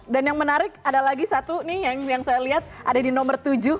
dan yang menarik ada lagi satu nih yang saya lihat ada di nomor tujuh